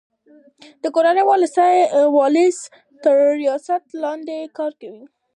د کورن والیس تر ریاست لاندي کار کوي.